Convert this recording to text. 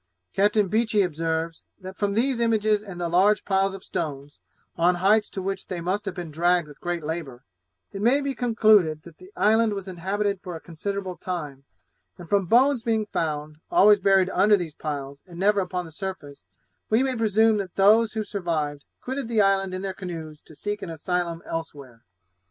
Captain Beechey observes, that 'from these images and the large piles of stones, on heights to which they must have been dragged with great labour, it may be concluded that the island was inhabited for a considerable time; and from bones being found, always buried under these piles, and never upon the surface, we may presume that those who survived, quitted the island in their canoes to seek an asylum elsewhere.'